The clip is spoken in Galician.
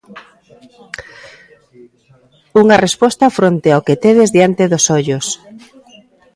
Unha resposta fronte ao que tedes diante dos ollos.